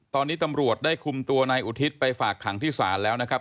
ตอนนี้ตำรวจได้คุมตัวนายอุทิศไปฝากขังที่ศาลแล้วนะครับ